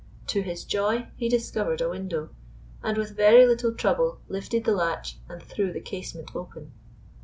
To his joy he discovered a window, and with very little trouble lifted the latch, and threw the casement open.